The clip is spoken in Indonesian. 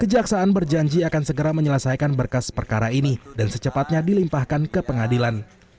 kejaksaan berjanji akan segera menyelesaikan berkas perkara ini dan secepatnya dilimpahkan ke pengadilan